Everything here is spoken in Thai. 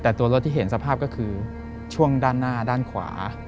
แต่ตัวรถที่เห็นสภาพก็คือช่วงด้านหน้าด้านขวา